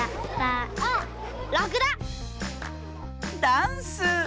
ダンス。